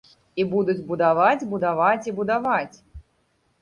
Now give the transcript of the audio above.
І будуць будаваць, будаваць і будаваць.